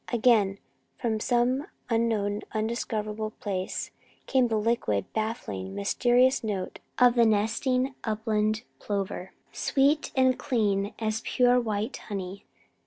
Again, from some unknown, undiscoverable place, came the liquid, baffling, mysterious note of the nesting upland plover, sweet and clean as pure white honey.